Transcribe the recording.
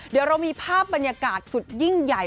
เดี๋ยวเรามีภาพบรรยากาศสุดยิ่งใหญ่